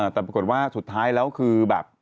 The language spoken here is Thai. แต่ปรากฏว่าสุดท้ายแล้วคือแบบ